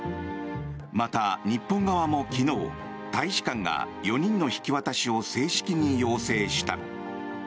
また、日本側も昨日大使館が４人の引き渡しを正式に要請した。